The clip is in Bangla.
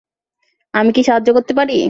আমি কী সাহায্য করতে পারি?